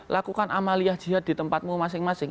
lakukan amaliyah jihad di tempatmu masing masing